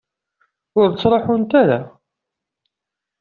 Ur ttruḥunt ara?